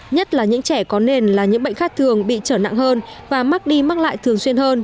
nhất là những trẻ có nền là những bệnh khác thường bị trở nặng hơn và mắc đi mắc lại thường xuyên hơn